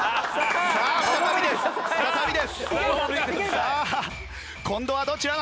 さあ今度はどちらなのか？